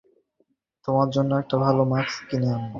তোমার জন্য ভালো একটা মাস্ক নিয়ে আসবো।